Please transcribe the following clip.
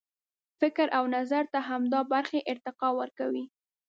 فکر و نظر ته همدا برخې ارتقا ورکوي.